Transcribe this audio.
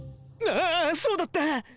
あそうだった！